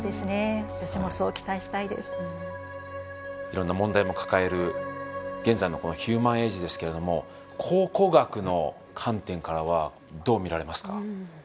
いろんな問題も抱える現在のこのヒューマン・エイジですけれども考古学の観点からはどう見られますか？